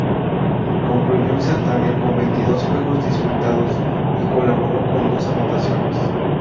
Concluyó el certamen con veintidós juegos disputados y colaboró con dos anotaciones.